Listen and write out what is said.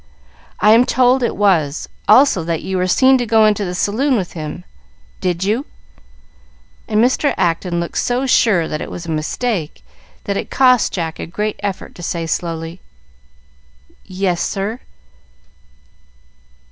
"I am told it was; also that you were seen to go into the saloon with him. Did you?" and Mr. Acton looked so sure that it was a mistake that it cost Jack a great effort to say, slowly, "Yes, sir."